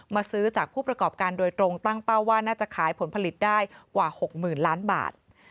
ซื้อจากผู้ประกอบการโดยตรงตั้งเป้าว่าน่าจะขายผลผลิตได้กว่า๖๐๐๐ล้านบาท